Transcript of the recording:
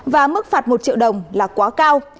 và mức phạt một triệu đồng là quá cao